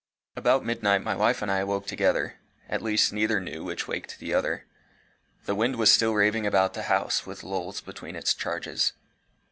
About midnight my wife and I awoke together at least neither knew which waked the other. The wind was still raving about the house, with lulls between its charges.